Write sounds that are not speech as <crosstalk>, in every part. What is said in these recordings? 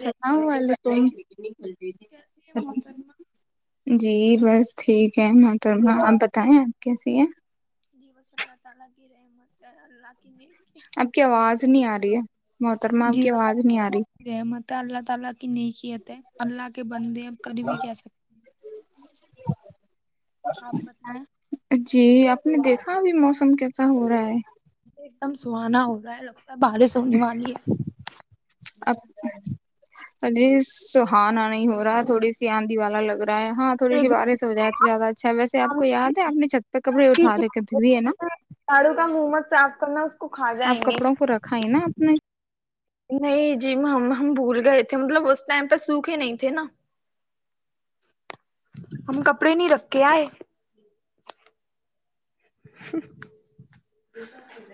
سلام ولیکم جی بس <unintelligible> ٹھیک کیا محترما آپ بتائیں آپ کیسی ہے جوسلہا تلگیرے م اللہا کین <unintelligible> <unintelligible> آپ کی آواز نہیں آ رہی ہے محترما آپ کی آواز نہیں آ رہی ت اللہ تعالا کی نہیں یت ہے اللہ کے بندے اب کر بھی کہ سکتے ہیں آپ بتائیں جی آپ نے دیکھا ابھی موسم کیسا ہو رہا ہے ایک دم سہانا ہو رہا ہے لوگ باریں س ہونے والی ہے اب اجے سہانا نہیں ہو رہا تھوڑی سی آندھی والا لگ رہا ہاں تھوڑی سی بار سے ہو جائے تو زیادہ اچھا ہے ویسے آپ کو یاد ہے آپ نے چھت پہ کپڑے اٹھا دے کے د ہے نا جھاڑو کا منہ مت صاف کرنا اس <unintelligible> آپ گے کپڑوں کو رکھائیں نا اپنے نہیں جی ہم ہم بھول گئے تھے مطلب اس ٹائم پہ سوکھے نہیں تھے نا ہم کپڑے نہیں رکھے آئے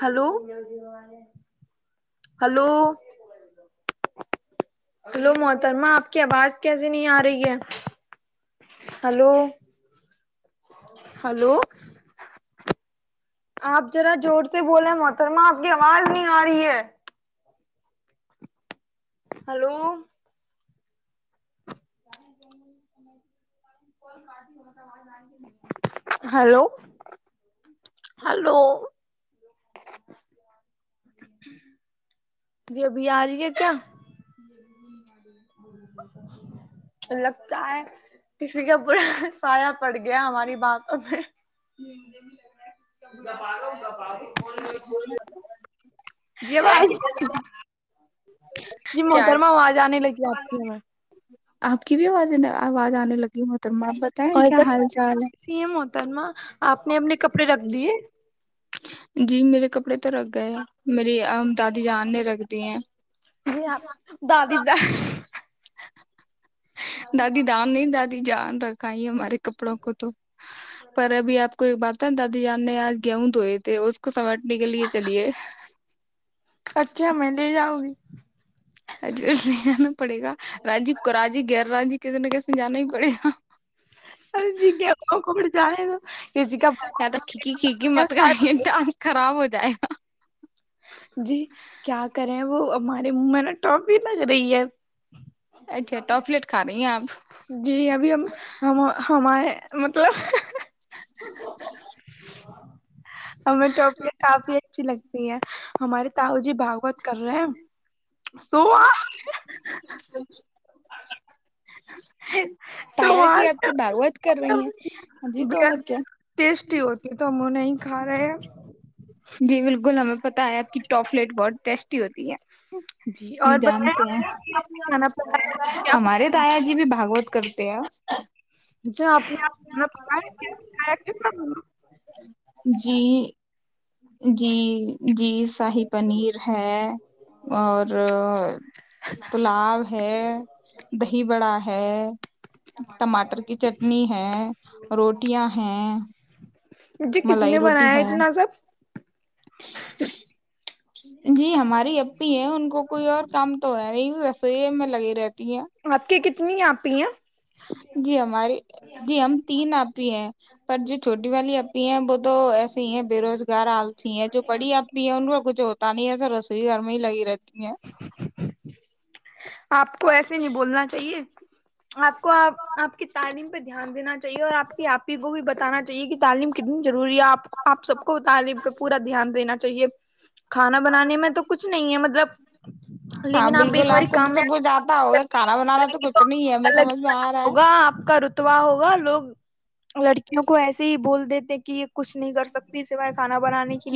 ہلو ہلو ہلو محترما آپ کی آواز کیسے نہیں آ رہی ہے ہلو ہلو آپ ذرا زور سے بولے محترما آپ کی آواز نہیں آ رہی ہے ہلو ہلو ہلو جی ابھی آ رہی ہے کیا لگتا ہے کسی کا برا سایہ پڑ گیا ہماری باتوں میں <unintelligible> جی جی کیا محترما آواز جا تی ھو میں آپ کی بھی آواز آواز آنے لگی محترمہ آپ بتائیں اور کیا حال چال ہے بتاےحتر ما آپ نے اپنے کپڑے رکھ دیے جی میرے کپڑے تو رکھ گئے میری دادی جاننے رکھتی ہیں جی آپ دادی دادی دان نہیں دادی جان رکھ <inaudible> کپڑوں کو تو پر ابھی آپ کو ایک بات ہے دادی ی نے آج گیہوں دوئے تھے اس کو سمٹنے کے لیے چلیے اچھا میں لے جاؤں گی ا نہیں آنا پڑے گا رانجی راجی غیر رانجی کسی نہ کسی جانا ہی پڑے گا اور جیگ کو کوبٹے جانے گا تو کھییکی کھکی مت کریں یہ ٹاسک خراب ہو جائے گا جی کیا کریں وہ ہماریے م نے ٹاپ بھی لگ رہی ہے اچھا ٹاپلیٹ کھا رہی ہیں آپ جی ابھی ہم ہم ہماے مطلب ہمیں ٹوفیاں کافی اچھی لگتی ہیں ہمارے تاؤو جی <inaudible> <inaudible> بھاگوت کر رہے ہیں سو تو تایا جی وہاں آپ کی باگوت کر سے رہی ہیں جی بےحد توہوتے ہے ہیں ٹیسٹی ہوتی ہے تو ہم وہ نہیں کھا رہے ہو جی بلکل ہمیں پتا ہے آپ کی ٹافلیٹ بہت ٹیسٹی ہوتی ہے جی اور ہم بتائیں جانتے آپ ہیں کے لیے آپ نے کھانا پکایا کیا ہمارے تایا جی بھی بھگوت کرتے آ <inaudible> جو آپ جی جی جی شاہی پنیر ہے اور پلاب ہے دہی بڑا ہے ٹماٹر کی چٹنی ہے روٹیاں ہیں جی کس نے ملائی روٹی بنایا ہے اتنا سب <inaudible> جی ہماری اب پی ہیں ان کو کوئی اور کام تو ہے نہیں رسوئی میں لگے رہتے آپ کی کتنی آپ پی ہے جی ہماریے جی ہم تین آپی ہیں پر جو چھوٹی والی اپی وہ تو ایسے ہی ہے بے روزگار حال س جو پڑی اپی ہیں ان کا کچھ اور پانییا سے رسوئی گھر میں ہی لگی رہتی ہیں آپ کو ایسے نہیں بولنا چاہیے آپ کو آپ آپ کی تعلیم دھیان دین چاہیے اور آپ کی آپی کو بھی بتانا چیے کہ تعلیم کتنی جضر وری آپ آپ سب کو تعلیم پہ پورا دھیان دینا چاہیے کھانا بنانے میں تو کچھ نہیں ہے مطلب لیکن آپ ایک باری خود سےب جاتا کامیاب ہوگا کھانا بنانا کریں تو گی کچھ نہیں ہے ہمیں الگ سمجھ میں آ رہا ہے وہ لوگ لڑکیوں کو ایسے ہی بول ت کی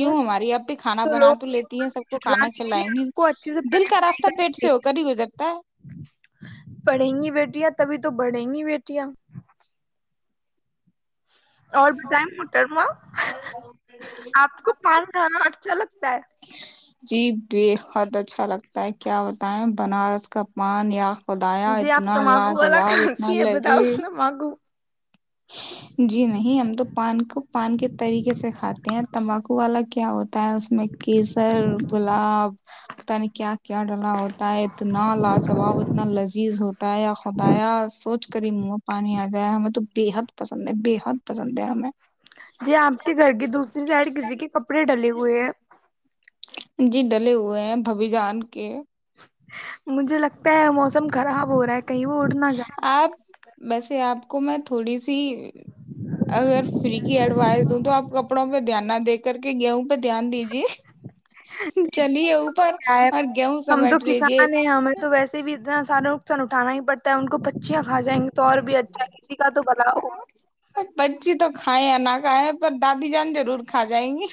لیے ہماری آپ پہ کھانا بنا تو لیتی ہیں سب کو کھانا جھٹلانے کے کھلائیں لیے گی آپ کو اچھے سے دل پڑھائی کا لکھائی راستہ کرنی پیٹ سے ہو چاہیے کر ہی گزرتا ہے پڑھیں گی بیٹیاں تبھی تو تو بڑے ہی نہیں بیٹیاں اور بتائ مٹرم آپ کو پان کھانا اچھا لگتا س جی بےحد اچھا لگتا ہے کیا بتائیں بنارس کا پان خدایا ہے جی آپ اتنا تمباکو والا لاجواب اتنا کھاتی ہے بتاؤ لجی تمباکو جی نہیں ہم تو پان کو پان کے طریقے سے کھاتے ہیں تمباکو والا کیا ہوتا ہے اس میں کیسر گلاب پت نہیں کیا کیا ڈلا ہوتا ہے اتنا لاجواب اتنا لذیذ ہوتا ہے یا خدایا سوچ کر ہی منہ پانی آ گیا ہے ہمیں تو بےحد پسند ہے بےحد پسند ہے ہمیں جی آپ کے گھر کی دوسری سائڈ کسی کے کپڑے ڈلے ہوئے ہیں جی ڈلے ہوئے ہیں ببھی جان کے مجھے لگتا ہے موسم خراب ہو رہا ہے کہیں وہ اڑ نہ جائے آپ وسے آپ کو میں تھوڑی سی اگر فری کی ایڈوائس دوں تو آپ کپڑوں پہ دھیان نہ دے کر کے گیہوں پ دھیان دیجے چلیے اوپر کیا ہے اور گیہوں ہم تو سمیٹ لیجے کسان ہیں ہمیں تو ویسے بھی اتنا سارا نقصان اٹھا پڑتا ہے ان کو پچیاں کا جائیں گے تو اور بھی اچھا ہے کسی کا تو بلاؤ کھیں نہ کھائے پر دادی جان ضرور کھا جائیں گی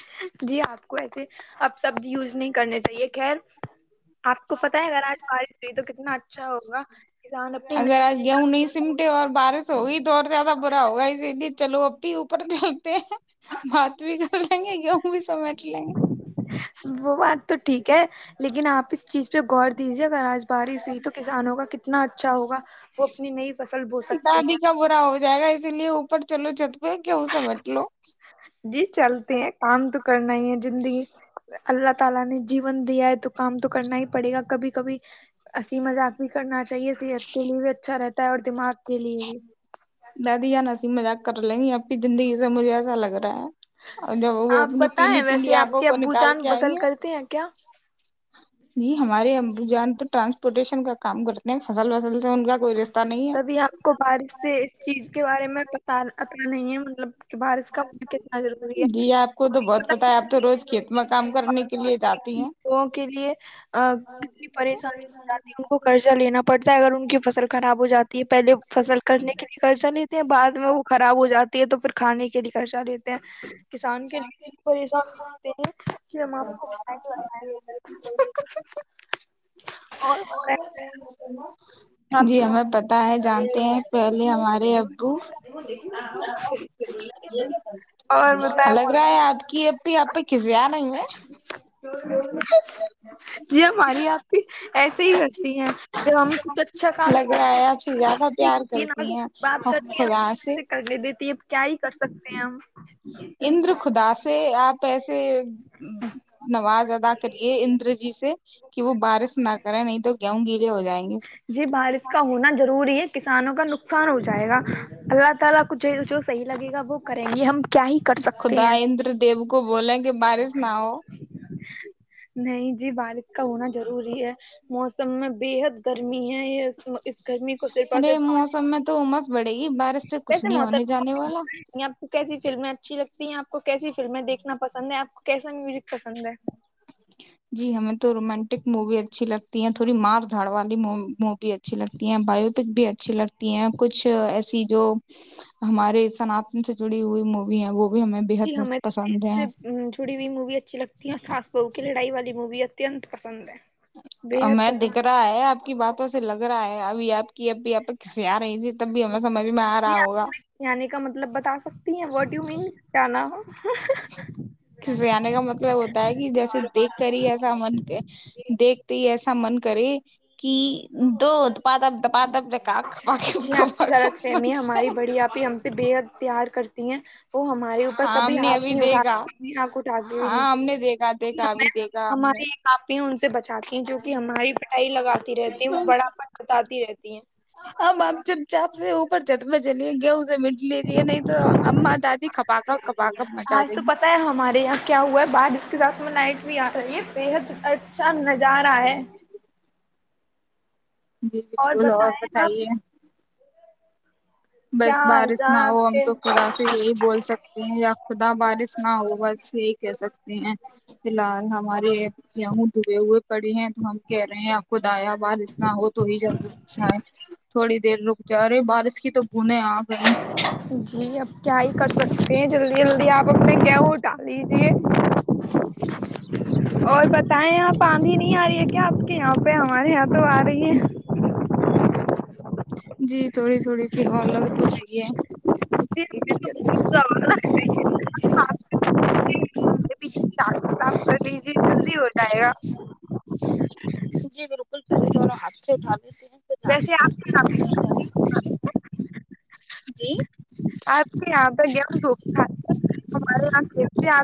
جی آپ کو ایسے اب سبزی یوز نہیں کرنی چاہیے خیر آ کو پتہ ہے اگر آج بارش ہوئی تو کتنا اھا اچھا ہوگا کسان اپنی اگر آج گیہوں نہیں سمٹے اور بارش ہوگئی تو اور زیادہ برا ہوگا اسی لیے چلو اوپر کے ہوتے ہیں بات بھی کر لیں گے گیہوں بھی سمیٹ لیں گے وہ بات تو ٹھیک ہے لیکن آپ اس چیز پہ غور دیجیے اگر آج میں بارش ہوئی تو کسانوں کا کتنا اچھا ہوگا وہ اپنی نئی فصل بو سکتے ہیں اس لیے اوپر چلو ج جی چلتے ہیں کام تو کرنا ہی ہے <inaudible> اللہ تعالی نے جیون دیا ہے تو کام تو کرنا ہی پڑے گا کبھی کبھی ہسی مذاق بھی کرنا چاہیے صحت کے لیے بھی اچھا رہتا اور دما <unintelligible> دہ بھیی جانسی مزہ کر لیں گے آپنی زندگی سے مجھے ایسا لگ رہا ہے اور جب وہ آپ اپنی پیلی بتائیں پیلی ویسے آپ آنکھوں کے کو ابو نکال جان کے آئی بسل کرتے ہیں کیا جی ہمارے امبروجان تو ٹرانسپورٹیشن کا کام کرتے ہیں فصل وصل سے ان کا کوئی رشتہ نہیں ہے کبھی آپ کو بارش سے اس چیز کے بارے میں پت نہیں ہے مطلب بھارت کا من کتنا ضروری ہے جی آپ کو تو بہت پتا ہے آپ تو روز کھیت میں کام کرنے کے لیے جاتی ہیں لوگوں کے لیے کتنی پریشانی ہو جاتی ہے ان کو قضہ لینا پڑتا ہے اگر ان کی فصل خراب ہو جاتی ہے پہلے فصل کرنے کے لیے خرچا لیتے ہیں بع میں وہ خراب ہو جاتی ہے تو کھانے کے لیے خرچہ لیتے ہیں کسان کے لیے اتنی پریشان ہوتے ہیں کہ ہم آپ کو کیا ہی بتائیں اور بتائیں <unintelligible> جی ہمیں پ ہے جانتے ہیں پہلے ہمارے ابو اور مط لگ رہا ہے آپ کی اب آپ پہ کسی آ نہیں ہے جی ہماری آپ کی ایسے ہی کرتی ہیں لگ رہا ہے آپ سے زیادہ ایسی پیار ہوتی ہے ن کرتی ہیں بات اور کرتی خدا ہے سے کرنے دیتی ہے کیا ہی کر سکتے ہیں ہم اندر خدا سے آپ ایسے نواز ادا کریے اندر جی سے کہ وہ بارش نہ کریں نہیں تو گوں گی جی بارش کا ہونا ضروری ہے کسی کانوں کا نق نقصان ہو جائے گا اللہ تعالی کچھ جو جو صحیحگے گا وہ کریں گے ہم کیا ہی کر سکتے ہیں خدادر دیو کو بولیں کہ بارش نہ ہو نہیں جی بارش کا ہونا ضروری ہے موسم میں بےحد گرمی ہے یہ گرمی کو صرف اور ارے صرف پانی موسم میں تو امس بڑے گی بارت سے کچھ ویسے نہیں ہونے محترم جانے والا آپ کو کیسی فلمیں اچھی لگتی ہیں آپ کو کیسی فلمیں دیکھنا پسند ہے آپ کو کیسا میوزک پسند ہے جی ہمیں تو رومانٹک مووی اچھی لگتی ہیں تھوڑی مار دھاڑ والی مووی اچھی لگتی ہیں بایو پک بھی اچھی لگتی ہیں کچھ ایسی جو ہمارے سنتن سے جڑی ہوئی موویاں وہ بھی ہمیں جی بےحد ہمیں پسند ہیں جڑی ہوئی مووی اچھی لگتی ہے اور وہ کی لڑائی والی مووی اتنت پسند ہے بےحد میں پسند دکھ رہا ہے آپ کی باتوں سے لگ رہا ہے ابھی آپ کی اب بھی آپ کسسی آ رہی تھی تب بھی ہمیں سمجھ میں آ جی ا ہوا آپ یعنی کا مطلب بتا سکتے کے آنے کا مطلب ہوتا ہے کہ جیسے دیکھ کر ہی ایسا من کے دیکھتے ہی ایسا ا من کرے کہ دو دپ داب جی آپ کی غلط فہمی ہے ہماری جائے۔ بڑی آپ ہم سے بےحد پیار کرتی تی ہیں وہ ہمارے اوپر ہاں کبھی ہم نے ہاتھ ابھی نہیں اٹھا دیکھا ہھ اٹھا ہاں ہم نے دیکھا دیکھا ابھی کےئے دیکھا ہم نے ہمارے آپ ہی ہ <unintelligible> سات جو کہ ہماری پڑھائی لگاتی رہتی وہ بڑاپن بتاتی رہتی ت ہیں <unintelligible> آ چپ چاپ سے اوپر جت میں چلیے گیہؤ مٹ لیجے نہیں تو ااں دادی کپا کر کپا کر مچا آج دیں تو گے پتہ مائٹ بھی آ کر یہ بےحد اچھا نظارہ ہے جی بالکل اور بتائیں آپ بتائیے بس کیا حال بارش نہ چال ہو آپ ہم کے تو خدا سے یہی بول سکتے ہیں یا خدا بارش نہ ہو بس یہ کہہ سکتے ہیں فی الحال ہمارے یہیہوں دوئے ہوئے پڑے ہیں تو ہم کہہ رہے ہیں آپ خود آیاباد انا ہو تو ہی جر اچھا ہے تھوڑی دیر رک جا رہے بارش کی تو بوندیں آ گئیں جی اپ کیا ہی کر سکتے ہیں جلدی جلدی آپ اپنے گ اٹال لیجے اور بتائیں آپ آندھی نہیں آ رہی ہے کیا آپ کے یہاں پہ ہمارے یہاں تو آ رہی ہے جی تھوڑی تھوڑی کسیر ہ لگٹو ل گ ہے ہمیں تو بہت زیادہ لگ رہی ہے آپ ہمارے پیچھے سے کام کر لیجیے جلدی ہو جائے گا <unintelligible> ہات سے اٹا ویسے آپ ج کے <unintelligible> <unintelligible> آپ کے یہاں پہ گ دھوک ہمارے یہاں کیسے آ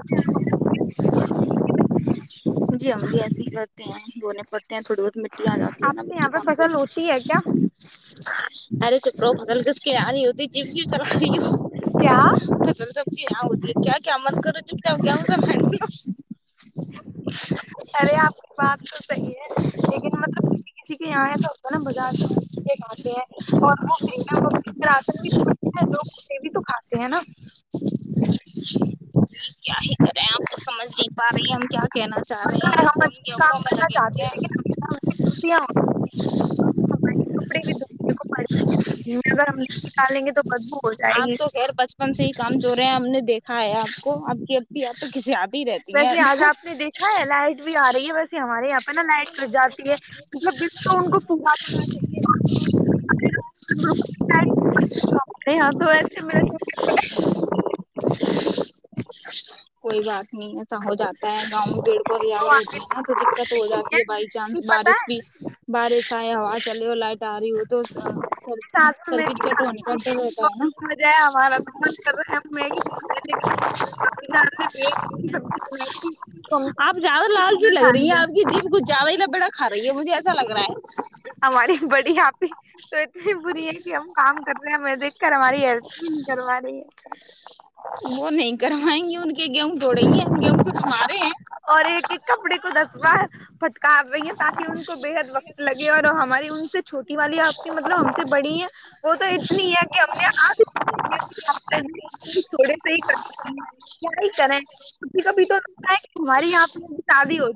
جی ہمم بھی ایسے ہی کرتے ہیں دنے پر تھوڑی بہت مٹی آ جاتی ہے آپ نا کے مٹی یہاں پہ کون فصل ہوتی ہے کیا الے چپرو فصل کس ک آنی ہوتی ج ج چل کیا فصل تو جی ہاں کیا کیامن کر چ آگ کیاؤ گ فڈ <inaudible> ارے آپ کی بات تو صحیح ہے لیکن مطلب کسی کسی کے یہاں ہے تو ہوتا ہے نا بازار سے کے کاتے ہیں اور وہ ان بھی تو ہیں لوگ اس بھی تو کھاتے ہیں نا کیا ہی کریں آپ تو سمجھ نہیں پا رہی ہیں ہم کیا کہنا چاہ رہے پتہ ہیں ہے ہم تو ہم اچھا گیہوں کام میں کرنا لگے چاہتے ہوئے لیکن ہیں ہمیشہ ہم سے غلطیاں ہوتی ہیں، ہمارے کپڑے بھی دوسرے کو پڑ <inaudible> <inaudible> نہیں نکالیں گے تو کدبو ہو جائے آپ گی تو خیر بچپن ہی کام جو رہے ہیں ہم نے دیکھا ہے آپ کو آ کی اب تو کسی آتی ہی رہتی ویسے آج ہیں آپ نے دیکھا ہے لائٹ بھی آ رہی ہے ویسے ہمارے یہاں پہ نا لائٹ کٹ جاتی ہے مطب تو ان کو س اں تو ایسے مے <unintelligible> چاہ جاتا ہے گاؤں میں پیڑ کو ایادہ ہوتی ہے نا تو دقت ہو جاتی ہے بائی کہ چانس پتا بارش ہے بھی بارش آ ہوا چلے ہو لائٹ ساری وہ تو سر ساتھ سر میں ککٹ ہونے کر ہوتا ہے نا مزہ ہے ہمارا تو من کر رہا ہے ہم میگی لیکن سبزی بنائی تھی تو ہم نے آپ زیادہ لال جی کھانا لگ کھا رہی ہیں لیا آپ کی جیم کچھ زیادہ ہی لبڑا ہماری بڑی آپھی تو اتنی بری ہے کہ ہم کام کر رہے ہیں ہم دیکھ کر ہماری ہیپ بھی نہیں کرو رہی ہے طرحیںوں کہ گیہوں دوڑیںیے ہیں گیہوں کھ مارے ہیں اور ایک ایک کپڑے کو دس ہ پ کاار رہی ہے تاکہ ان کو بے حد وقت لگے اور ہماری ان سے چھوٹی والی آتی مطلب ہم سے بڑی ہیں وہ تو اتنی ہے کہ ہم نے آ تھوڑے سے ہی کر پائیں گے ہی کرا ہے ک کابھی تو رتا ہے ہماری یہاں پہ شادی ہو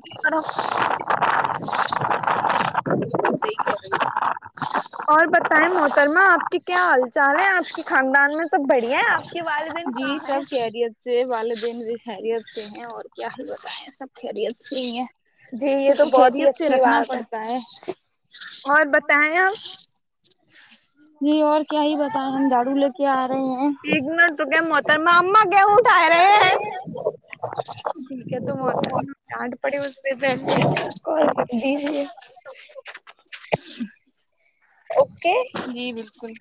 اور بتائیں محترما آپ کی کیا حال چال ہے آپ کے خاندان میں سب بڑھیا ہے آپ کے والدین جی کہاں سب ہیں کہہریت سے والدین بھی خیریت سے ہیں اور کیا ہی بت ہے سب خیریت سے ہی ہیں جی یہ سب تو کو بہت ہی خیریت سے اچھی رکھنا بات ہے پڑتا اور بتائیں آپ <inaudible> جی اور کیا ہی بتیں ہم دارو لے کے آ رہے ہیں ایکگن تو کیا م میں اا گیہٹھا رہے ہیں ٹھیک ہے تتا ڈانٹ پڑی اس سے پہلے کال کر دییے اوکے <inaudible> جی بالکل